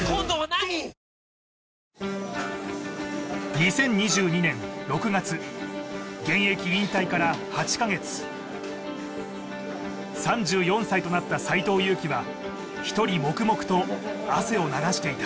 ２０２２年６月現役引退から８カ月３４歳となった斎藤佑樹は一人黙々と汗を流していた